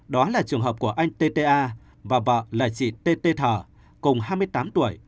đó là trường hợp của anh tta và vợ là chị t t thở cùng hai mươi tám tuổi